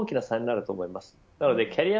大きな差になると思います。